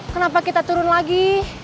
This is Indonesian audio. kenapa kita turun lagi